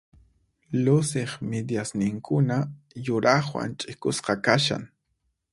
Luciq midiasninkuna yuraqwan ch'ikusqa kashan.